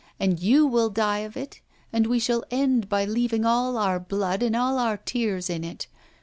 And you will die of it, and we shall end by leaving all our blood and all our tears in it!